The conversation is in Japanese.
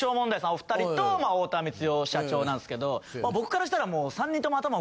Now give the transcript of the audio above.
お２人と太田光代社長なんですけど僕からしたら。